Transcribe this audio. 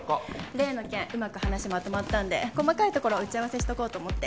例の件うまく話まとまったんで細かいところ打ち合わせしとこうと思って。